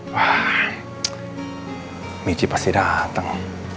wah michi pasti dateng